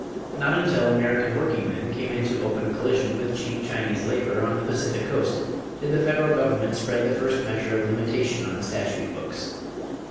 Not until American workingmen came into open collision with cheap Chinese labor on the Pacific Coast did the federal government spread the first measure of limitation on the statute books.